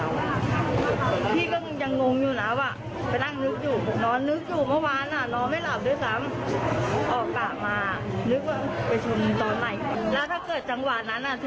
แล้วถ้าเกิดจังหวะนั้นถือมีดมาแล้วไม่แทงเราตายแล้วใช่ป่ะเราไม่ตายฟรีหรอ